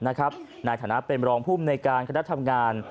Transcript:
นายฐานะเป็นรองพุ่มในการคณะทำงาน